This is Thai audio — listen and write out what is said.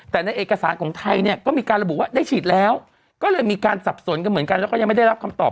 แต่ในเอกสารของไทยเนี่ยก็มีการระบุว่าได้ฉีดแล้วก็เลยมีการสับสนกันเหมือนกันแล้วก็ยังไม่ได้รับคำตอบ